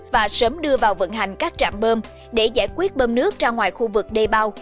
và sớm đưa vào vận hành các trạm bơm để giải quyết bơm nước ra ngoài khu vực đê bao